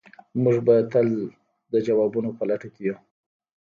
موږ به تل د ځوابونو په لټه کې یو.